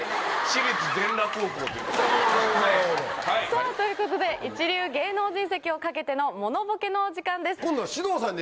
さぁということで一流芸能人席を懸けてのモノボケのお時間です。